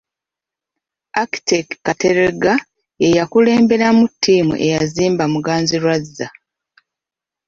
Architect Kateregga y'eyakulemberamu ttiimu eyazimba Muganzirwazza.